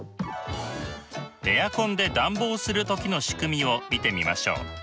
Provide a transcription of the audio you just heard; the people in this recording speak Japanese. エアコンで暖房する時のしくみを見てみましょう。